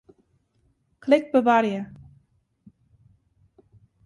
Klik Bewarje.